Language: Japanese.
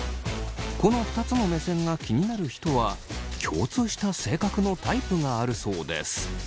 この２つの目線が気になる人は共通した性格のタイプがあるそうです。